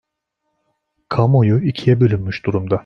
Kamuoyu ikiye bölünmüş durumda.